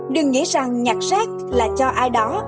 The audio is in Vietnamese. đừng nghĩ rằng nhặt rác là cho ai đó